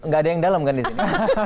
nggak ada yang dalam kan di sini